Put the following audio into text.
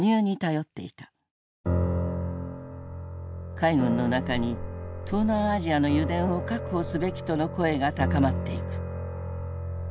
海軍の中に東南アジアの油田を確保すべきとの声が高まっていく。